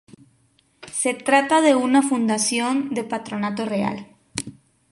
Se trata de una fundación de patronato real.